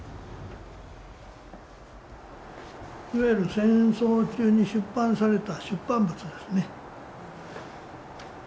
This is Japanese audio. いわゆる戦争中に出版された出版物ですね。